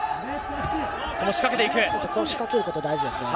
ここで仕掛けることが大事ですね。